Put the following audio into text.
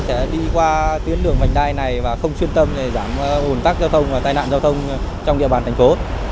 sẽ đi qua tuyến đường vành đai này và không chuyên tâm để giảm ủn tắc giao thông và tai nạn giao thông trong địa bàn thành phố